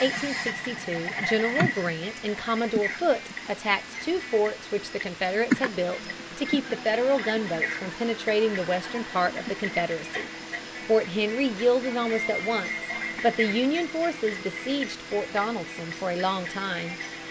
In February, 1862, General Grant and Commodore Foote attacked two forts which the Confederates had built to keep the Federal gunboats from penetrating the western part of the Confederacy. Fort Henry yielded almost at once, but the Union forces besieged Fort Donelson for a longer time.